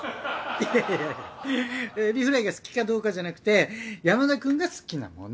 いやいやエビフライが好きかどうかじゃなくて山田くんが好きなもの。